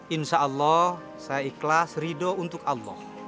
insya allah saya ikhlas ridho untuk allah